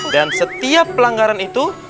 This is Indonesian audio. dan setiap pelanggaran itu